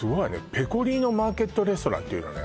ペコリーノマーケット＆レストランっていうのね